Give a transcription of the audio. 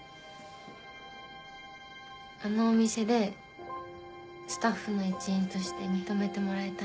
あのお店でスタッフの一員として認めてもらえたら。